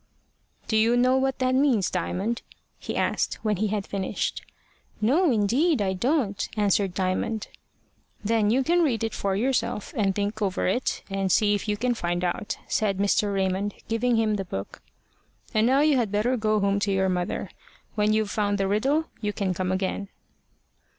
"Do you know what that means, Diamond?" he asked, when he had finished. "No, indeed, I don't," answered Diamond. "Then you can read it for yourself, and think over it, and see if you can find out," said Mr. Raymond, giving him the book. "And now you had better go home to your mother. When you've found the riddle, you can come again."